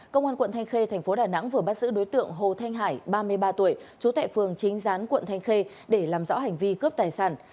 công an quận thanh khê tp đà nẵng vừa bắt giữ đối tượng hồ thanh hải ba mươi ba tuổi chú tệ phường chính gián quận thanh khê để làm rõ hành vi cướp tài sản